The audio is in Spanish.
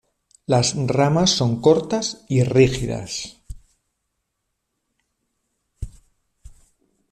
La ramas son cortas y rígidas.